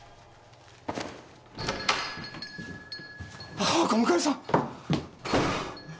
・ああ小向さん。